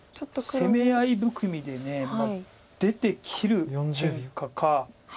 攻め合い含みで出て切るけんかか。